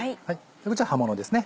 こちら葉ものですね。